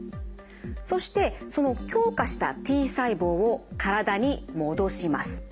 そしてその強化したＴ細胞を体に戻します。